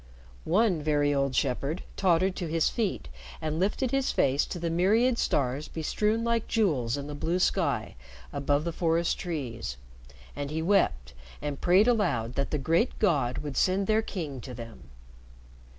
One very old shepherd tottered to his feet and lifted his face to the myriad stars bestrewn like jewels in the blue sky above the forest trees, and he wept and prayed aloud that the great God would send their king to them.